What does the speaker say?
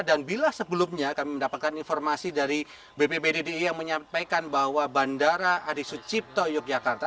dan bila sebelumnya kami mendapatkan informasi dari bpptkg yang menyampaikan bahwa bandara adisucipto yogyakarta